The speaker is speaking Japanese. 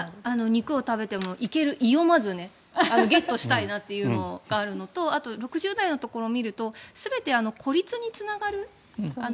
肉をたくさん食べてもいける胃を、まずゲットしたいなというところとあと６０代のところを見ると全て孤立につながる。